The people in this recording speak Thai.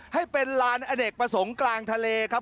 ให้เป็นลานอเนกประสงค์กลางทะเลครับ